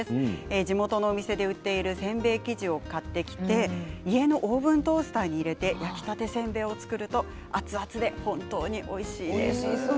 地元の店で売っているせんべい生地を買ってきて家のオーブントースターに入れて焼きたてせんべいを作るとおいしそう。